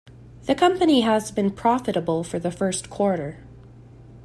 The company has been profitable for the first quarter.